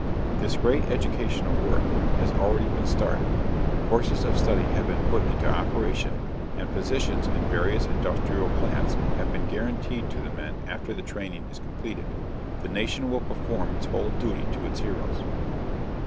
This great educational work has already been started, courses of study have been put into operation, and positions in various industrial plants have been guaranteed to the men after the training is completed. The nation will perform its whole duty to its heroes.